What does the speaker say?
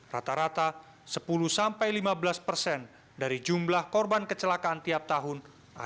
rata rata sepuluh sampai lima belas persen dari jumlah korban kecelakaan tiap tahun